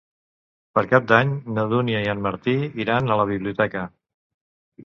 Per Cap d'Any na Dúnia i en Martí iran a la biblioteca.